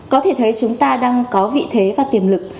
có thể thấy chúng ta đang có vị thế và tiềm lực